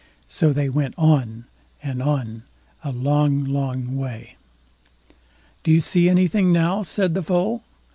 So they went on, and on, a long, long way. "Do you see anything now", said the Foal.